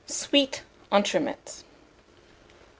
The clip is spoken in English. (Sweet Entremets.)